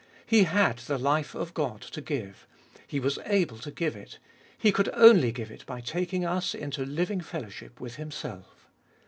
He had the life of God to give ; He was able to give it ; He could only give it by taking us into living fellow ship with Himself.